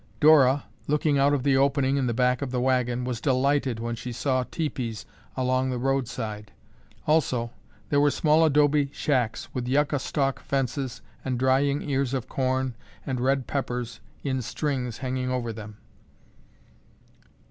Dora, looking out of the opening in the back of the wagon, was delighted when she saw tepees along the roadside. Also, there were small adobe shacks with yucca stalk fences and drying ears of corn and red peppers in strings hanging over them.